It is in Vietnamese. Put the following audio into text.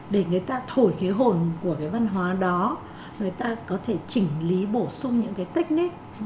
để người ta thổi cái hồn của cái văn hóa đó người ta có thể chỉnh lý bổ sung những cái technic